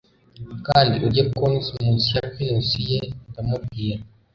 kandi urye cones munsi ya pinusi ye, ndamubwira